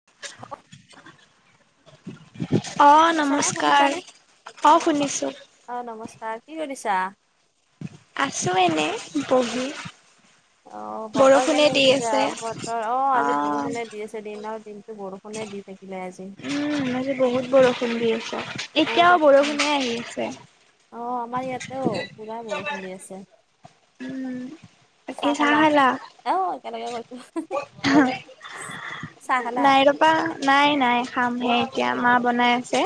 [inaudible] অ, শুনিছানে নমস্কাৰ শুনিছানে অ, অ শুনিছো। অ, নমস্কাৰ কি কৰিছা? আছো এনে বহি। অ, বতৰ বৰষুণে কেনে দি ইচ্ছা আছে। বতৰ অ, আজি অ', বৰষুণে দি আছে দিনৰ দিনটো বৰষুণ। ষূনে দি থাকিলে আজি। উম, আজি বহুত বৰষুণ দি আছে বহুত এতিয়াও অশান বৰষুণে আহি আছে। অ, আমাৰ ইয়াতেও পুৰা বৰষুণ দি আছে। উম, চাহ খালা? অ, একেলগে কৈছো। চাহ খালা? পাপা নাই - নাই খামহে এতিয়া মা বনাই আছে।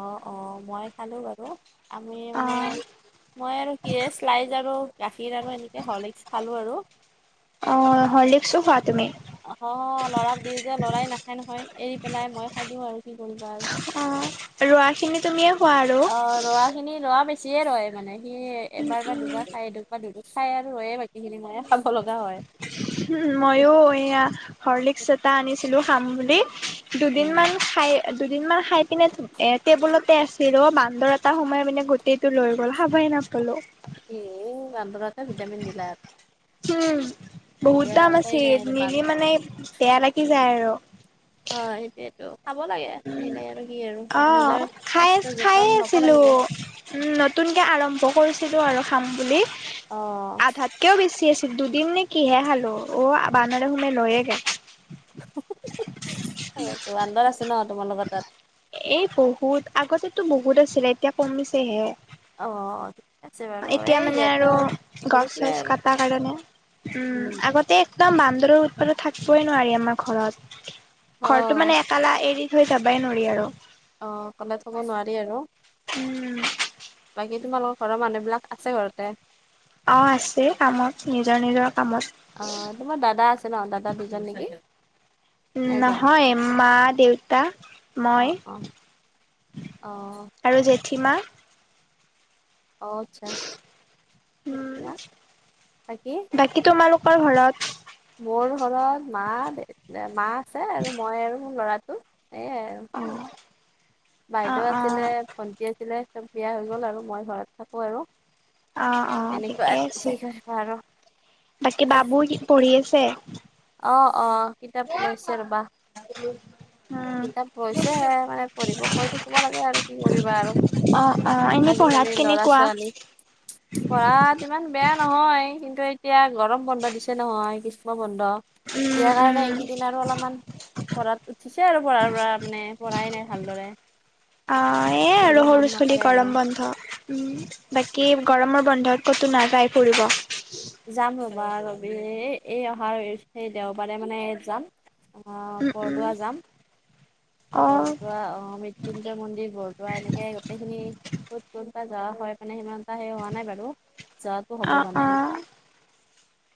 অ', অ', মই খালো বাৰু আমি মানে অ', মই আৰু কি শ্লাইজ আৰু গাখীৰ আৰু এনেকে হৰলিচ খালো আৰু। অ, হৰলিক্স খাৱা তুমি? অ, লৰাক দিও যে লৰাই নাখায় নহয় এৰি পেলাই মই খাই দিও আৰু কি কৰিম। ৰোৱা খিনি তুমিয়ে খোৱা আৰু। ৰৱা খিনি ৰৱা বেছিয়ে ৰয় মানে সি উম, এবাৰ বা উম। দুবাৰ খায়। বা ধুতো খাই আৰু হয়য়ে বাকিখিনি ময়ে খাব লগা হয়। উম, মইয়ো এয়া হৰ্লিক্স এটা আনিছিলো খাম বুলি দুদিন মান খাই দুদিন মান খাই পিনে এ টেবুলতে আছিল অ বান্দৰ এটা সময় মানে গো গোটেই টো লৈ গ'ল খাবয়ে নাপালো। এ বান্দৰাতে ভিটামিন দিলা। উম আৰু বহুত এতিয়া দাম উপায় নাই আছিল, আৰু বান নিলি মানে বেয়া লাগি যায় আৰু। হয় সেইটোৱেতো। খাব লাগে অনিলে আৰু কি আৰু অ নিজৰ স্বাস্থ্যৰ যতন ল'ব লাগিব। নতুনকৈ আৰম্ভ কৰিছিলো আৰু খাম বুলি। অ', কিয় বেছি আছিল দুদিন নে কিহে খালো অ', বানৰে সোমে লৈয়েগল। সে বান্দৰ আছে ন তোমালোকৰ তাত। এই বহুত আগতেতো বহুত আছিলে এতিয়া কমিছেহে। অ আছে বাৰু এতিয়া এই মানে ইয়াতে আৰু ঘূৰি গছ ফুৰে চছ আৰু কটাৰ কাৰণে উম আগতে। একদম বান্দৰৰ উৎপাদন থাকিবই নোৱাৰি আমাৰ ঘৰত অ ঘৰটো মানেষ- কালা এৰি থৈ যাবাই নোৱাৰি আৰু। অ খোলি থ'ব নোৱাৰি আৰু। উম বাকী তোমালোকৰ ঘৰৰ মানুহবিলাক আছে ঘৰতে। অ আছে কামত নিজৰ নিজৰ কামত। অ তোমাৰ দাদা আছে ন দাদা দুজন নেকি। উম এজন নহয় মা দেউতা অ মই। অ অ আৰু জেঠীমা। অ আচ্ছা বাকি। কি তোমালোকৰ ঘৰত। মোৰ ঘৰত মা দে মা আছে আৰু মই আৰু মোৰ ল'ৰাটো সেয়াই আৰু। অ অ বাইদেউ আছিলে। ভণ্টি আছিলে চব বিয়া হৈ গ'ল আৰু মই ঘৰত থাকোঁ আৰু। অ অ এনেকুৱা ঠিকেই কি আছে, কৰিবা আৰু বাকী বাবু কি পঢ়ি আছে? অ অ কিতাপ লৈছে ৰ'বা উম কিতাপ। হৈছেহে মানে পঢ়িব কৈ থাকিব লাগে আৰু কি কৰিবা আৰু। অ আহ এনে আজিকালি পঢ়াত ল'ৰা কেনেকুৱা? ছোৱালী পঢ়াত ইমান বেয়া নহয়, কিন্তু এতিয়া গৰম বন্ধ দিছে নহয় গ্ৰীষ্ম বন্ধ। উম বিয়াৰ কাৰণে উম এইকেইদিন আৰু অলপমান পঢ়াত উঠিছে আৰু পঢ়াৰ পৰা মানে পঢ়াই নাই ভালদৰে। অঁ এ পঢ়িব আৰু মন সৰু ছুলি নকৰে আৰু গৰমত। ন্ধ উম বাকী গৰমৰ বন্ধত ক'তো নাযাই ফুৰিব। যাম ৰবা ৰবি এই অহাৰ স দেওবাৰে মানে যাম। অ উম, উম, বৰদোৱাৰ যাম। অ', বৰদোৱাৰ আহ মৃত্যুঞ্জয় মন্দিৰ বৰদোৱাৰ এনেকে গোটেইখিনি। ক'ত কোনোবা যোৱা হয় মানে সিমান এটা সেই হোৱা নাই বাৰু যত। অঁ অঁ,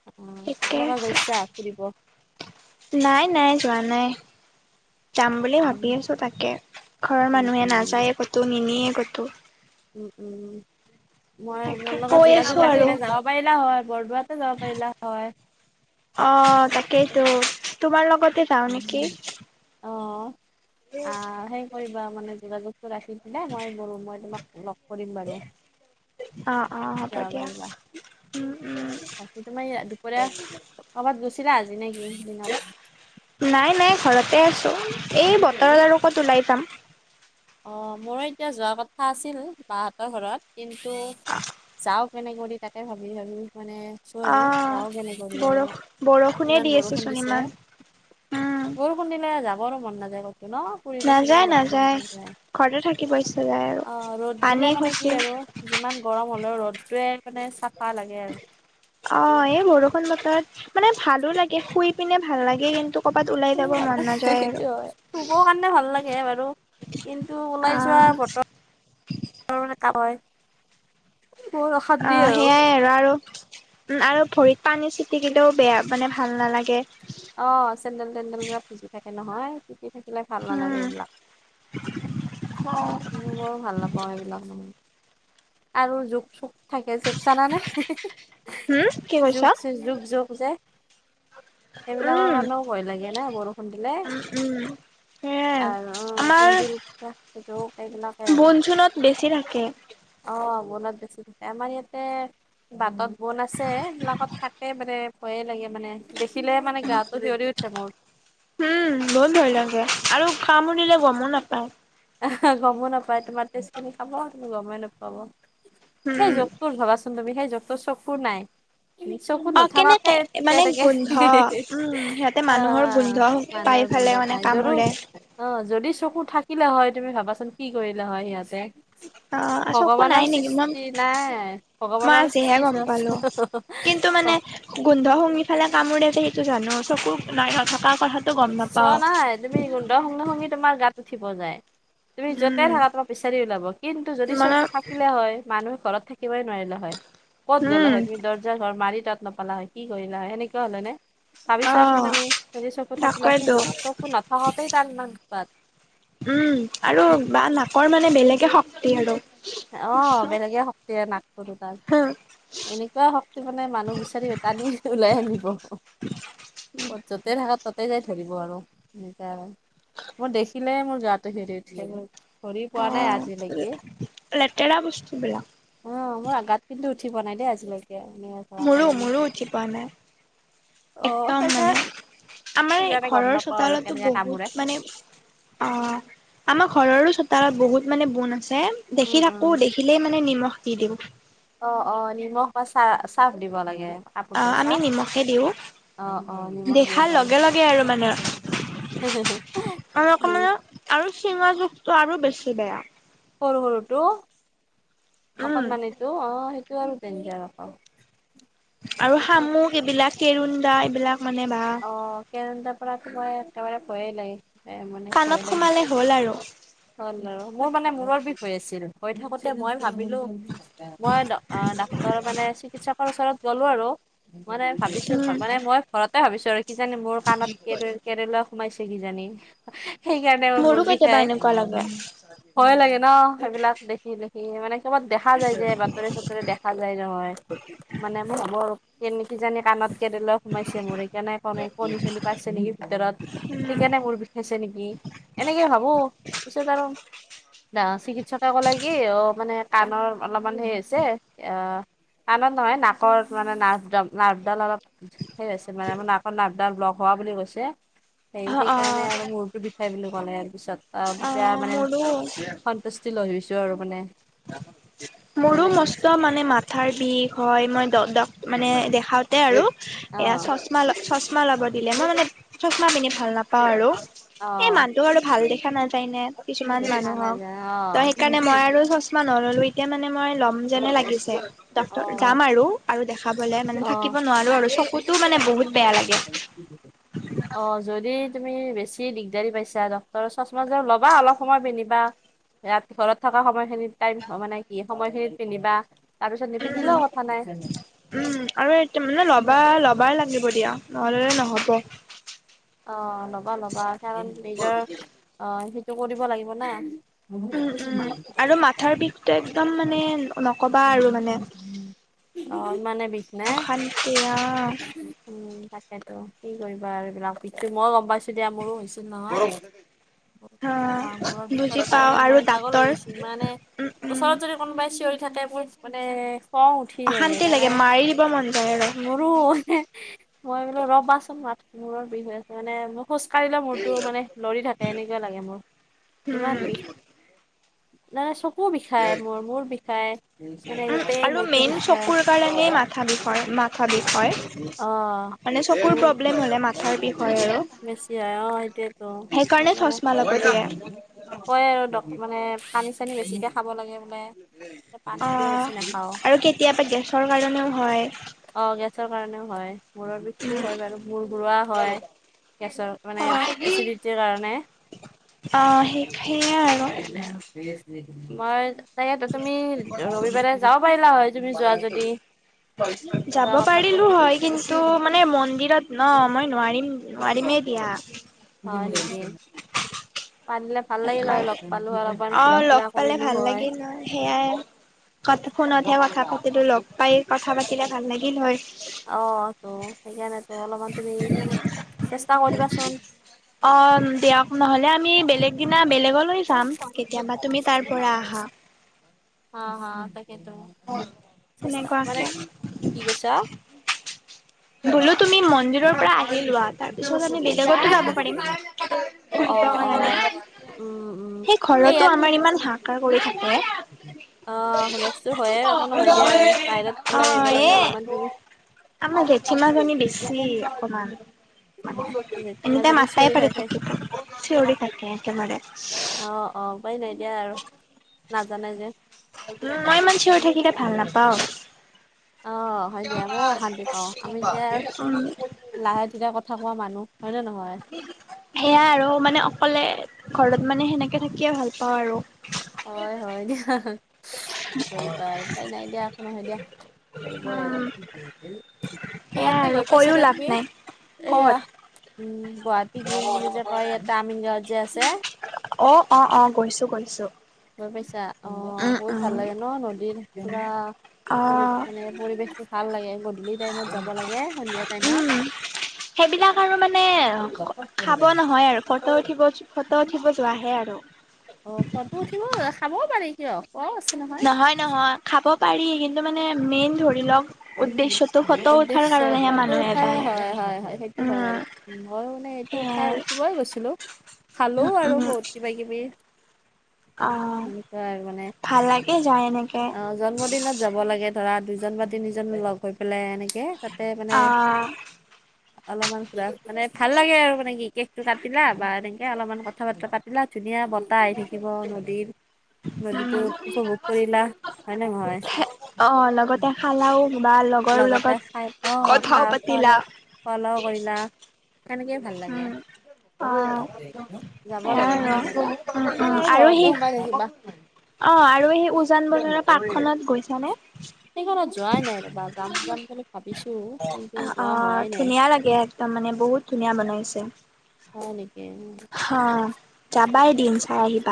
অ তাকে, তোমালোকে গৈছা ফুৰিব নাই নাই যোৱা নাই। যাম বুলি আম ভাবি আছোঁ তাকে ঘৰৰ উম মানুহে উম নাযায়ে ক'তো নিনিয়ে ক'তো। ওম ওমও। মই তাকে মোৰ লগত কৈ আছোঁ যোগাযোগ আৰু। ৰাখিলে যাব পাৰিলা হয় বৰদোৱাতে যাব পাৰিলা হয়। অ তাকেইতো তোমাৰ লগতে যাওঁ নেকি? অ আহ সেই কৰিবা মানে যোগাযোগ। ৰাখি পেলাই মই বো মই তোমাক লগ কৰিম বাৰু। অ অ হ'ব যাব দিয়া পাৰিবা উম উম। বাকী তোমাৰ এইয়া দুপৰীয়া ক'বাত গৈছিলা আজি নেকি দিনত? নাই নাই ঘৰতে আছোঁ, এই বতৰত আৰু কত ওলাই যাম। অ' মোৰো এতিয়া যোৱা কথা আছিল বাহতৰ ঘৰত কিন্তু যাওক মানে কৰি তাকে ভাবি-ভাবি মানে আছো আৰু যাওঁ কেনে অ' কৰি আৰু বৰষু বৰষুণে ইমান দি আছে বৰষুণ চোন দিছে ইমান। উম। বৰষুণ দিলে যাবৰো মন নাযায় কতো ন। ফুৰিব চুৰিব যাব মন নাযায়-নাযায় নাযায় ঘৰতে থাকিব ইচছা যায় আৰু অ ৰ'দ দিলে পানী মানে কি খচি আৰু যিমান গৰম হ'লেও ৰ'দতোৱে মানে চাফা লাগে আৰু। অ এই বৰষুণ বতৰত মানে ভালো লাগে শুই পিনে ভাল লাগে কিন্তু। ক'ৰবাত ওলাই শুই যাব ভাল মন নাযায় আৰু। সেইটো হয় শুব কাৰণে ভাল লাগে বাৰু, কিন্তু ওলাই যোৱা অ' বতৰ [unintelligible] বহুত অ অশান্তি সেইয়াই আৰু আৰু আৰু ভৰিত পানী ছিটিকিলেও বেয়া মানে ভাল নালাগে। অ' চেণ্ডেল তেন্দেল ঘিলা ভিজি থাকে নহয় [unintelligible] থাকিলে ভাল নালাগে উম। এইবিলাক, মোৰ ভাল নাপাও এইবিলাক মানে। আৰু জোক চোক থাকে [unintelligible] চালানে হুম কি কৈছা? যুগ জু যুগ যগ যে সেইবিলাকৰ কাৰণেও ভয় লাগে ন বৰষু উম-উম। আৰু অ' [unintelligible] জোক এইবিলাকে বন আৰু। চোনত বেছি থাকে। অ' [unintelligible] বেছি থাকে আমাৰ ইয়াতে বাটত বুন আছে এইবিলাকত থাকে মানে ভয়ে লাগে মানে দেখিলে মানে গাটো সিঞৰি উঠে মোৰ। উম, বহুত ভয় লগে আৰু কামুৰিলে গমো নাপায়। গমো নাপায় তোমাৰ তেজ খিনি খাব তুমি গমেই নাপাব উম। সেই জোক তোৰ ভবাচোন তুমি সেই জকটোৰ চকু নাই। চকু অ নথাকাকে কেনেকে মানে তেনেকে গোন্ধ [unintelligible] উম সিহঁতে অ'। মানুহৰ গোন্ধ পাই মানুহৰ গুন্ধ পেলাই মানে পাই জৰো কামোৰে অ' যদি চকু থাকিলে হয় তুমি ভাবাচোন কি কৰিলে হয়, সিহঁতে। অ চকু ভগৱানৰ নাই নেকি মই সৃষ্টি নাই, মই ভগৱানৰ আজিহে সৃষ্টি চ গম পালো কিন্তু মানে গোন্ধ শুঙি ফালে কামোৰেযে সেইটো জানো চকু নাই নথকা কথাতো চোৱা নাই তুমি গোন্ধ শুঙি-শুঙি তোমাৰ গাত উঠিব যায়। তুমি য'তে উম থাকা তোমাক বিচাৰি উলাব কিন্তু যদি মানে চকু থাকিলে হয় মানুহে ঘৰত থাকিবই নোৱাৰিলে হয়, ক'ত গ'লা উম হয় তোমাৰ দৰ নিজৰ [unintelligible] তত নাপালা হয় কি কৰিলা হয়, সেনেকুৱা হ'ল হয় নে ভাবি অ ছোৱা চোন তুমি যদি চকু থাকি বাকি [unintelligible] তাকেইতো চকু নাথাকাতেই তাৰ ইমান উৎপাত। উম আৰু বা নাকৰ মানে বেলেগে শক্তি আৰু। অ' বেলেগে শক্তি নাকতো। [unintelligible] এনেকুৱা শক্তি মানে মানুহ বিচাৰিটানি ওলাই আনিব। [unintelligible] য'তেই থাকক ততেই যাই ধৰিব আৰু এনেকা। মোৰ দেখিলৈ মোৰ গাটো শিয়ৰি উঠে ধৰি অ পোৱা নাই আজিলৈকে। লেতেৰা বস্তু বিলাক। অ, মোৰ আগাত কিন্তু উঠি পোৱানাই দেই আজিলৈকে ধৰা পেলাই মোৰো-মোৰো উঠি পোৱা নাই। অ একদম মানে সেইকাৰ আমাৰ সেইকাৰণে গম ঘৰৰ নাপাওঁ আৰু চোতালতো কেনেকে কামোৰে বহুত মানে অ' আমাৰ ঘৰৰো চোতালত বহুত মানে বুন আছে উম দেখি উম থাকো, দেখি দেখিলৈ মানে নিমখ দি দিওঁ। অ', অ' নিমখ বা চাৰ্ফ দিব লাগে। কাপোৰ বা অ' আমি চাৰ্ফ নিমখে দিওঁ, অ অ নিমখ দিব দেখাৰ লগে লগে আৰু মানে। পাৰি আৰু [unintelligible] দি মানে আৰু চিনা জোঁখটো আৰু বেছি বেয়া। সৰু-সৰু টো উম অকনমানিটো অ' সেই সেইটো আৰু ডেঞ্জাৰ আক। আৰু শামুক এইবিলাক কেৰুন্ডা এইবিলাক মানে বা অ' কেৰুন্ডাৰ পৰা তো মই একেবাৰে ভয়ে লাগে। এ মানে ভয় কাণত লাগি সোমালে হ'ল আৰু। হল আৰু মোৰ মানে মূৰৰ বিষ হৈ আছিল হৈ থাকোতে মই ভাবিলো মই অ, ডাক্তৰ মানে চিকিৎসকৰ ওচৰত গ'লো, আৰু মানে ভাবিছো উম মানে মই ঘৰতে ভাবিছো আৰু কিজানি মোৰ কাণত কেৰে কেৰেলা সোমাইছে কিজানি। সেইকাৰণে মোৰ মূৰ মোৰো কেতিয়াবা বিখাই। এনেকুৱা লাগে ভয় লাগে ন সেইবিলাক দেখি-দেখি মানে কবাত দেখা যায় যে বাতৰি চাতৰি দেখা খা যায় নহয়, মানে মৰ কেনেক কি জানি কাণত কেৰেলা সোমাইছে মোৰ। কে নাই ক কণী চণী পাইছে নেকি ভিতৰত? উম সেইকাৰণে মোৰ বিষাইছে নেকি এনেকে ভাবো ত পিছত আৰু জা চিকিৎসকে ক'লে কি অ, মানে কাণৰ অলপমান হেই হৈছে আনত নহয় নাকৰ মানে নাৰভডাল - নাৰভডাল অলপ সেই আছে মানে, আৰ নাকৰ নাৰভ ডাল লগ হোৱা বুলি কৈছে সেই অ সেইকাৰণে অ আৰু মূৰো সেই বুলি ক'লে ইয়াৰ পিছত আৰু অ তেতিয়া মানে মোৰো সন্তুষ্টি লৈছো আৰু মানে। আহ [unintelligible] ভয় মোৰো লাগি মস্ত আছিল মানে মাথাৰ বিষ হয়, মই দ - দ মানে দেখা এ আৰু অ এয়া চচমা - চচমা লব দিলে মই মানে চচমা পিন্ধি ভাল নাপাও আৰু। অ এ মানুহ আৰু ভাল দেখা নাযায় নে? কিছুমান দেখা মানুহক নাযায় ত সেইকাৰণে মানে মই আৰু চচমা নললো এতিয়া মানে মই ল'ম যেনে লাগিছে। অ ডাকটৰ যাম আৰু দেখাবলে, মানে অ থাকিব নোৱাৰো আৰু চকুতো মানে বহুত বেয়া লাগে [unintelligible] অ, যদি তুমি বেছি দিগদাৰী পাইছা, ডকটৰৰ চচমা ল'বা অলপ সময় পিন্ধিবা। ৰাতি ঘৰত থকা সময়খিনিত টাইম অ, মানে কি সময়খিনিত পিন্ধিবা। তাৰ পিছত উম নিপিন্ধিলেও কথা নাই। উম, আৰু মানে ল'বা লবাই লাগিব দিয়া নহলে নে নহ'ব। অ, ল'বা - ল'বা কাৰণ নিজৰ অ, সেইটো কৰিব লাগিব না। উম - উম আৰু মাথাৰ বিষটো একদম মানে নকবা আৰু মানে অ, ইমানে বিষ নে? অশান্তি অ', উম, তাকেতো কি কৰিবা আৰু এইবিলাকু মই গম পাইছো দিয়া মোৰো হৈছিল নহয়। ম অ', মুৰৰ বিষত বুজি পাওঁ কাৰণে আৰু মই পাগল হৈ দাঁতৰ গৈছো ইমানে উম, উম, ওচৰত যদি কোনোবাই চিঞৰি থাকে মোৰ মানে, খঙ উঠে অশান্তি লাগে মাৰি দিব মন যায় আৰু। ৰৰু মই বোলো ৰবাচোন মাত মূৰৰ বিষ হৈ আছে মানে ম খোজ কাঢ়িলে মোৰতো মানে লৰি থাকে, এনেকুৱা লাগে মোৰ উম, ইমান বিষ। নাই চকু বিষাই মোৰ মোৰ বিষ আৰু মেইন বিষাই চকুৰ কাৰণেই মাথা বিষ - মাথা বিষ হয়। অ মানে চকুৰ বহুত প্ৰব্লেম হলে মাথাৰ বিষ হয় আৰু। বেছি হয় অ সেইটোয়েতো সেইকাৰণে চচমা লব দিয়ে। ক আৰু মানে সানি চানি বেছিকৈ খাব লাগে, বোলে পানীটোৱে অ', বেছি নাখাও। আৰু কেতিয়াবা গেছৰ কাৰণেও হয়। অ, গেছৰ কাৰণেও হয় মূৰৰ বিষটোও হয় বাৰু মূৰ ঘৰুৱা হয়। গেছৰ মানে অ', এচিডিটিৰ কাৰণে। অ, সেই সেয়া আৰু। সেইকাৰণে [unintelligible] মই তকেটো তুমি ৰবিবাৰে যাব পাৰিলা হয় তুমি যোৱা যদি। যাব যোৱা কথাটো পাৰিলো হয় কিন্ত তটো মানে মন্দিৰত ন মই নোৱাৰিম - নোৱাৰিমেই দিয়া। হয় নেকি পাৰিলে ভাল লাগিল হয় লগ পালো আৰু। অ, লগ পালে ভাল লাগে ন সেইয়াই। ক ফোনতহে কথা পাতিলো লগ পাই কথা পাতিলে ভাল লাগিল হয়। অ, তো সেইকাৰণে অলপমান তুমি চেষ্টা কৰিবাচোন। অ, দিয়ক নহ'লে আমি বেলেগ দিনা বেলেগত য কেতিয়াবা তুমি তাৰ পৰা আহা। হা - হা তাকেইতো চেষ্টা কৰে সেনেকুৱাকে কি কৈছা? বোলো তুমি মন্দিৰৰ পৰা আহি লোৱা। তাৰপিছত আমি বেলেগতো যাব পাৰিম অ ফুৰিব অ উম, উম, কাৰণে। এই ঘৰতো ইয়াত আমাৰ ইমান হাহাকাৰ কৰি থাকে। অ, হুলস্থটো হয়য়ে এককো নহয় দিয়া আৰু বাহিৰত ওলাই আহিব অ', লাগে এ অলপমান তুমি। আমাৰ জেঠীমাজানী বেছি অকমান। এনিতাইম জেঠীমাজনী মাতাই চিঞৰি পাৰি থাকে থাকি চিঞৰি থাকে একেবাৰে। অ', অ', ওপায় নাইতিয়া আৰু নাজানে যে। উম, মই ইমান চিঞৰি থাকিলে ভাল নাপাওঁ। অ', হয় দিয়া ময়ো অশান্তি পাওঁ আমি এতিয়া উম, লাহে ধীৰে কথা কোৱা মানুহ হয়নে নহয়। সেয়াই আৰু মানে অকলে ঘৰত মানে সেনেকে থাকিয়ে ভাল পাওঁ আৰু। হয় - হয় দিয়া কি কৰিবা আৰু ওপায় নাই দিয়া নহয় দিয়া। কৰিব উম, সেয়াই ইয়াতে আৰু গৈ কৈও পাইছানে লাভ তুমি নাই। এয়া। ক'ত? উম, গুৱাহাটী গ্ৰীণ বুলি যে কয় ইয়াত দামিন গাঁৱত যে আছে। অঁ, অঁ, অঁ ', গৈছো - গৈছো। গৈ পাইছা অ, বহুত ভাল লাগে ন নদীৰত পোৰা পৰি অ', মানে পৰিৱেশটো ভাল লাগে গধূলি টাইমত যাব লাগে সন্ধিয়া টাইমত। উম। সেইবিলাক আৰু মানে খাব নহয় আৰু ফটো উঠিব - ফটো উঠিব যোৱাহে আৰু। অ, ফটো উঠিব চাবও পাৰি কিয় কচ নহয় - নহয় খাব পাৰি কিন্তু মানে মেইন ধৰি লওক উদ্দেশ্য পৰ্ব মানুহে উঠাৰে যায়। হয় হয় হয় সেইটো হয় উম, বাৰু। ম‌ই মানে এইটো চাই সেয়াই উঠিবই গৈছিলো খালো উম, উম, আৰু বহুত কিবা কিবি অ এনেকুৱা আৰু মানে ভাল লাগে যায় এনেকে- অ জন্মদিনত যাব লাগে ধৰা দুইজন বা তিনিজন লগ হৈ পেলাই এনেকে- তে মানে আহ অলপমান মানে ভাল লাগে আৰু মানে কি কেক টো কাটিলা বা এনেকে অলপমান কথা বতৰা পাতিলা ধুনীয়া বন। আটা আহি থাকিব নদীৰ নদীটোত উপভোগ কৰিলা। হয় নে নহয়? অঁ, লগতে খালাওঁ বা লগ লগতে খাই অঁ, খা খ খালা কৰিলা। সেনেকেই ভাল লাগে। উম অ যাব লাগে এয়াই মাজে - আৰু মাজে উম কিমান আৰু ঘৰতে সোমাই থাকিবা। অঁ, আৰু সেই উজান বজাৰৰ পাৰ্কখনত গৈছানে? সেইখনত যোৱাই নাই ৰবা যাম-যাম বুলি ভাবিছো। কিন্তু যোৱা অঁ, হোৱাই নাই ধুনীয়া লাগে একদম মানে বহুত ধুনীয়া বনাইছে। হয় নেকি। হ যাবাই দিন চাই আহিবা।